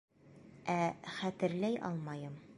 Ә хәтерләй алмайым.